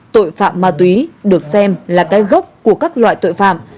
tội phạm ma túy được xem là cái gốc của các loại tội phạm